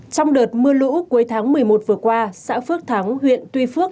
trong đợt mưa lũ cuối tháng một mươi một vừa qua xã phước thắng huyện tuy phước